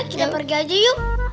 kita pergi aja yuk